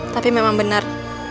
tapi memang benar